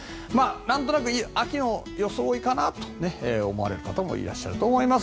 なんとなく秋の装いかなと思われる方もいらっしゃると思います。